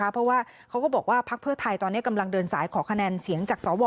เพราะว่าเขาก็บอกว่าพักเพื่อไทยตอนนี้กำลังเดินสายขอคะแนนเสียงจากสว